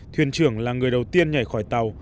thuyền trường là người đầu tiên nhảy khỏi tàu